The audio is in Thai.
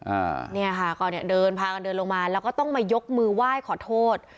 อ่าเนี่ยค่ะก็เนี่ยเดินพากันเดินลงมาแล้วก็ต้องมายกมือไหว้ขอโทษ